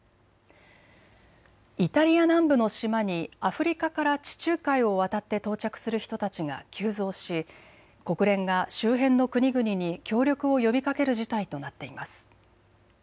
イタリア南部の島にアフリカから地中海を渡って到着する人たちが急増し国連が周辺の国々に協力を呼びかける事態となっています。